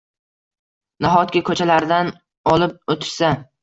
Nahotki ko‘chalaridan olib o‘tishsa?